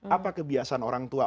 apa kebiasaan orang tua